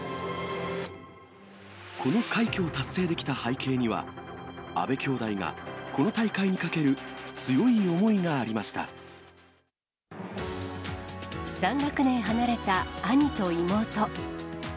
この快挙を達成できた背景には、阿部兄妹が、この大会にかける強３学年離れた兄と妹。